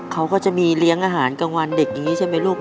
เขาก็จะมีเลี้ยงอาหารกลางวันเด็กอย่างนี้ใช่ไหมลูก